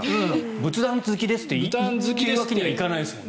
仏壇付きですっていうわけにはいかないですよね。